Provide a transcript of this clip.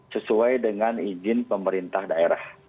sesuai dengan izin pemerintah daerah